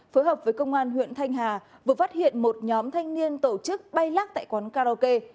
phối hợp với công an huyện thanh hà vừa phát hiện một nhóm thanh niên tổ chức bay lắc tại quán karaoke